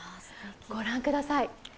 ご覧ください。